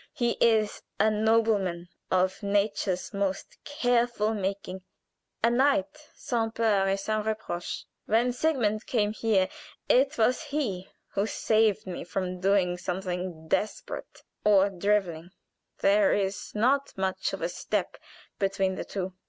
He is a nobleman of nature's most careful making a knight sans peur et sans reproche. When Sigmund came here it was he who saved me from doing something desperate or driveling there is not much of a step between the two.